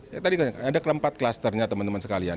ya tadi ada keempat klasternya teman teman sekalian